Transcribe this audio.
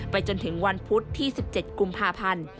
ไปจนถึงวันพุธที่สิบเจ็ดกุมภาพันธ์